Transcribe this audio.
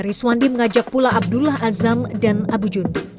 rizwandi mengajak pula abdullah azam dan abu jundi